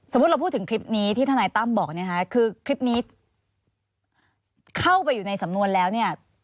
เราพูดถึงคลิปนี้ที่ทนายตั้มบอกเนี่ยค่ะคือคลิปนี้เข้าไปอยู่ในสำนวนแล้วเนี่ย